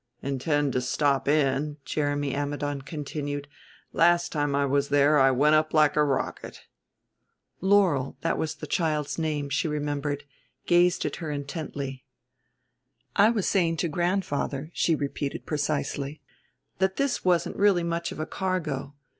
"Intend to stop in," Jeremy Ammidon continued; "last time I was there I went up like a rocket." Laurel that was the child's name, she remembered gazed at her intently. "I was saying to grandfather," she repeated precisely, "that this wasn't really much of a cargo.